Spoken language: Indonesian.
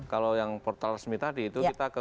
kalau yang portal resmi tadi itu kita ke